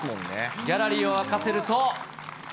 ギャラリーを沸かせると。